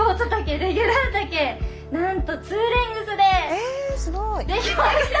えすごい！